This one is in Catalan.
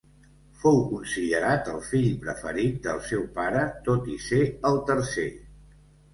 Fou considerat el fill preferit del seu pare tot i ser el tercer.